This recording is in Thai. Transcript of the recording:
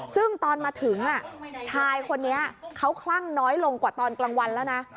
ซึ่งตอนมาถึงชายคนนี้เขาคลั่งน้อยลงกว่าตอนกลางวันแล้วนะ